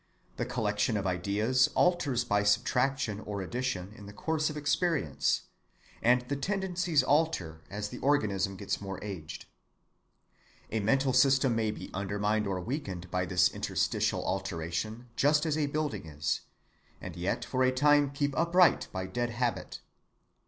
The collection of ideas alters by subtraction or by addition in the course of experience, and the tendencies alter as the organism gets more aged. A mental system may be undermined or weakened by this interstitial alteration just as a building is, and yet for a time keep upright by dead habit.